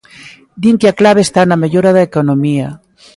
Din que a clave está na mellora da economía.